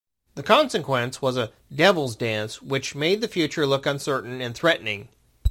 The consequence was a "devil's dance" which made the future look uncertain and threatening.